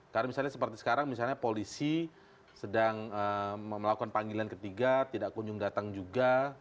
karena misalnya seperti sekarang misalnya polisi sedang melakukan panggilan ketiga tidak kunjung datang juga